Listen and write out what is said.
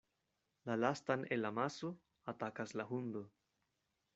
La lastan el amaso atakas la hundo.